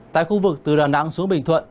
tại khu vực từ đà nẵng xuống bình thuận